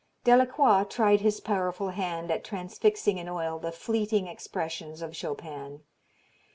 Delacroix tried his powerful hand at transfixing in oil the fleeting expressions of Chopin.